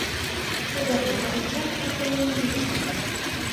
Ad armeɣ ad geɣ akk ayen umi zemreɣ.